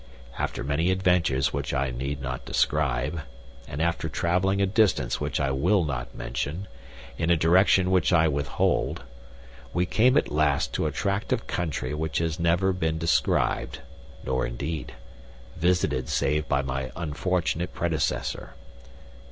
After many adventures which I need not describe, and after traveling a distance which I will not mention, in a direction which I withhold, we came at last to a tract of country which has never been described, nor, indeed, visited save by my unfortunate predecessor.